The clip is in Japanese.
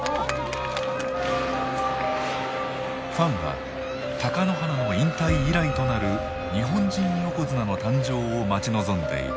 ファンは貴乃花の引退以来となる日本人横綱の誕生を待ち望んでいた。